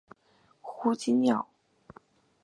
胡锦鸟。